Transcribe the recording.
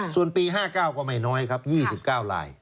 ส่วนปี๕๙ก็ไม่น้อยครับ๒๙ลาย